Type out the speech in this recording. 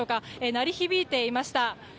鳴り響いていました。